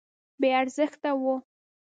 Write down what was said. بې ارزښته وه.